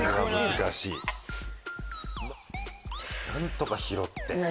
何とか拾って。